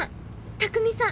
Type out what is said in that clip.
卓海さん